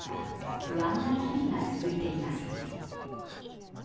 不安な日々が続いています。